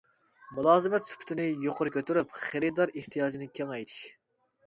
مۇلازىمەت سۈپىتىنى يۇقىرى كۆتۈرۈپ خېرىدار ئېھتىياجىنى كېڭەيتىش.